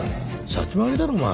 先回りだろお前。